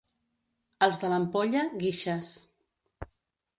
Els de l'Ampolla, guixes.